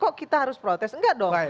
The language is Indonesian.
kok kita harus protes enggak dong